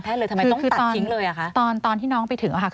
ใช่ค่ะ